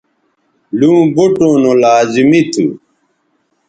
لوں بوٹوں نو لازمی تھو